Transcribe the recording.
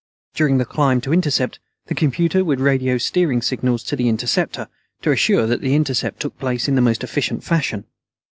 During the climb to intercept, the computer would radio steering signals to the interceptor, to assure that the intercept took place in the most efficient fashion.